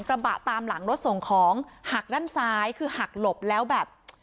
กระบะตามหลังรถส่งของหักด้านซ้ายคือหักหลบแล้วแบบ